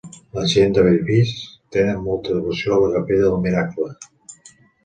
La gent de Bellvís tenen molta devoció a la capella del Miracle.